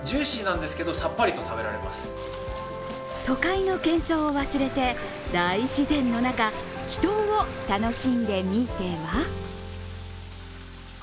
都会のけん騒を忘れて大自然の中、秘湯を楽しんでみては？